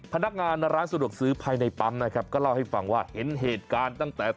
พนักงานร้านสะดวกซื้อภายในปั๊มนะครับก็เล่าให้ฟังว่าเห็นเหตุการณ์ตั้งแต่